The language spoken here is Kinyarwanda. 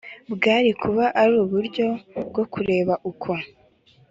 bwari kuba ari uburyo bwo kureba uko